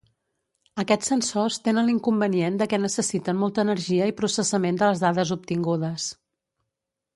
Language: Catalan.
Aquests sensors tenen l'inconvenient de què necessiten molta energia i processament de les dades obtingudes.